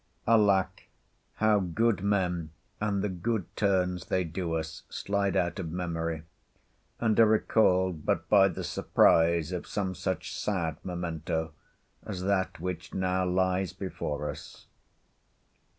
Alack, how good men, and the good turns they do us, slide out of memory, and are recalled but by the surprise of some such sad memento as that which now lies before us!